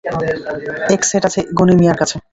এক সেট আছে মিয়া গনির কাছে।